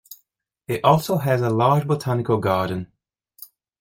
It also has a large botanical garden.